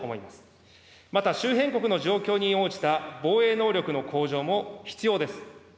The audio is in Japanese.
また周辺国の状況に応じた防衛能力の向上も必要です。